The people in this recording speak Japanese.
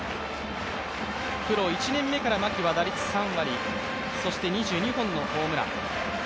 プロ１年目から牧は打率３割、そして２２本のホームラン。